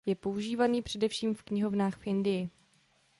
Je používaný především v knihovnách v Indii.